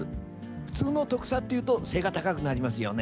普通のトクサというと背が高くなりますよね。